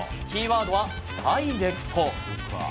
キーワードは、ダイレクト。